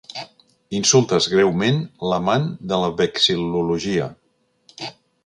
Insultes greument l'amant de la vexil·lologia.